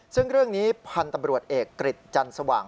ซึ่งเรื่องนี้พันธุ์ตำรวจเอกกริจจันสว่าง